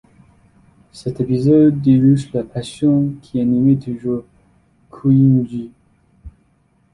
Cet épisode illustre la passion qui animait toujours Kouïndji.